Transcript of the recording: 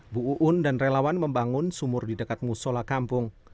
bu uun dan relawan membangun sumur di dekat musola kampung